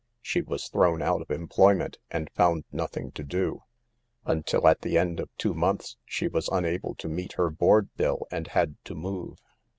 She was thrown out of employment, and found nothing to do, until at the end oi two months she was unable to meet her board bill, and had to move.